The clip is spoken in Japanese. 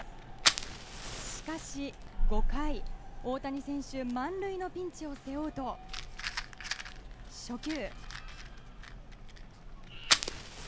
しかし、５回大谷選手満塁のピンチを背負うと初球。